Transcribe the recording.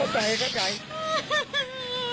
ไม่ไหวไหม